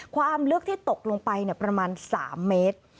ความลึกที่ตกลงไปประมาณ๓เมตร